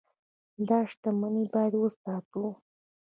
دا شتمني باید وساتو.